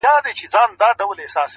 چي یې وکتل قصاب نه وو بلا وه-